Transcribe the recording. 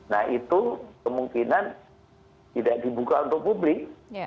nah itu kemungkinan tidak dibuka untuk publik